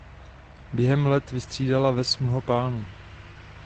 Během let vystřídala ves mnoho pánů.